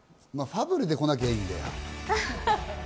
『ファブル』で来なきゃいいんだよ。